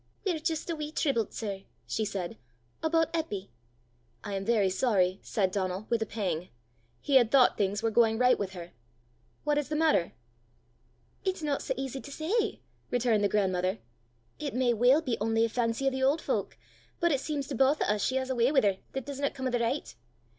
"We're jist a wee triblet, sir," she said, "aboot Eppy!" "I am very sorry," said Donal, with a pang: he had thought things were going right with her. "What is the matter?" "It's no sae easy to say!" returned the grandmother. "It may weel be only a fancy o' the auld fowk, but it seems to baith o' 's she has a w'y wi' her 'at disna come o' the richt.